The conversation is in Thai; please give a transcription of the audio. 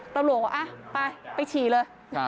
ตำรวจว่าไปไปฉีเลย